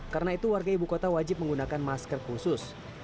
karena itu warga ibu kota wajib menggunakan masker khusus